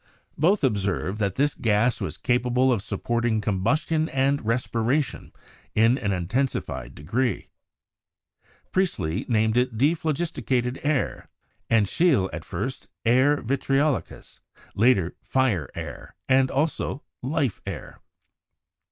Both observed that this gas was capable of supporting combustion and respiration in an intensified degree. Priestley named it "dephlogisticated air," and Scheele at first 'aer vitriolicus/ later 'fire air,' and also 'life air.'